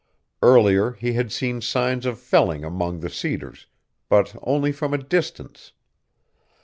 Earlier he had seen signs of felling among the cedars, but only from a distance.